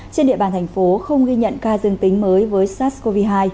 trên địa bàn thành phố không ghi nhận ca dương tính với sars cov hai